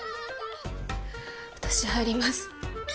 私、入ります。